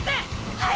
はい！